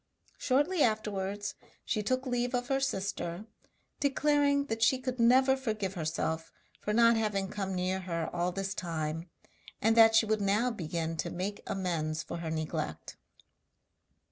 Shortly afterwards she took leave of her sister, declaring that she could never forgive herself for not having come near her all this time, and that she would now begin to make amends for her neglect.